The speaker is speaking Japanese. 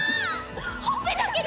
ほっぺだけど！